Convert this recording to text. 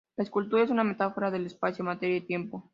La escultura es una metáfora del espacio, materia y tiempo.